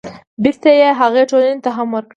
بېرته يې هغې ټولنې ته هم ورکړي.